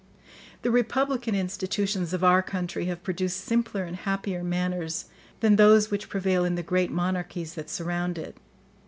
The republican institutions of our country have produced simpler and happier manners than those which prevail in the great monarchies that surround it.